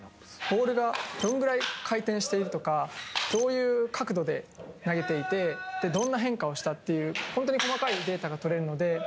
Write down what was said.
ボールがどのくらい回転しているとかどういう角度で投げていてどんな変化をしたっていう本当に細かいデータがとれるので。